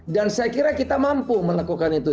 dan saya kira kita mampu melakukan itu